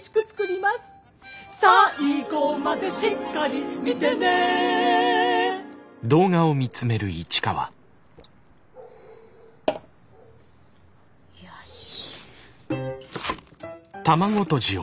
最後までしっかり見てねよし。